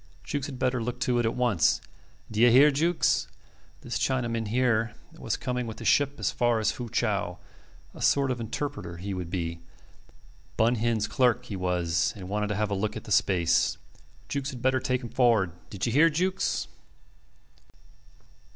Jukes had better look to it at once. "D'ye hear, Jukes?" This chinaman here was coming with the ship as far as Fu chau a sort of interpreter he would be. Bun Hin's clerk he was, and wanted to have a look at the space. Jukes had better take him forward. "D'ye hear, Jukes?"